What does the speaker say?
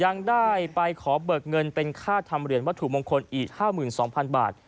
ยังมองคนอีดบังคลอีด๓๒๐๐๐บาท